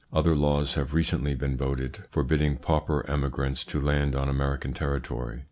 Other laws have recently been voted, forbidding pauper emigrants to land on American territory.